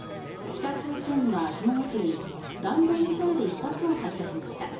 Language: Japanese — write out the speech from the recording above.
北朝鮮は正午過ぎ弾道ミサイル１発を発射しました。